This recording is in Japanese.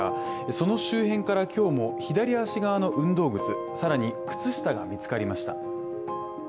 その周辺から今日も左足側の運動靴、さらに靴下が見つかりました。